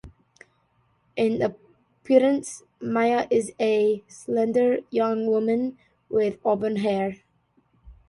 In appearance, Maya is a slender young woman with auburn hair.